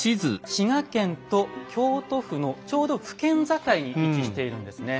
滋賀県と京都府のちょうど府県境に位置しているんですね。